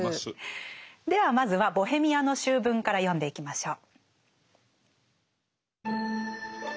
ではまずは「ボヘミアの醜聞」から読んでいきましょう。